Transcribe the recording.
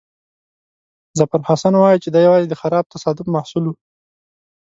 ظفرحسن وایي چې دا یوازې د خراب تصادف محصول وو.